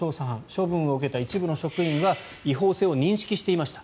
処分を受けた一部の職員は違法性を認識していました。